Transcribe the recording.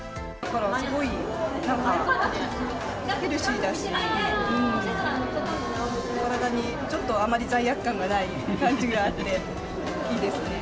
すごいなんか、ヘルシーだし、体にちょっとあまり罪悪感がない感じがあっていいですね。